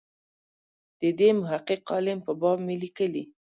د دې محقق عالم په باب مې لیکلي.